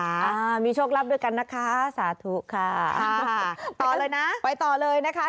อ่ามีโชคลับด้วยกันนะคะสาธุค่ะอ่าต่อเลยนะไปต่อเลยนะคะ